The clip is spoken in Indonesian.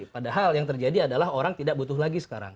padahal yang terjadi adalah orang tidak butuh lagi sekarang